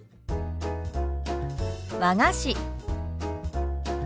「和菓子」。